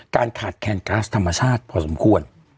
การขาดแคนก๊าซธรรมชาติพอสมควร